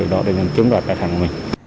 để chứng đoạt tài sản của mình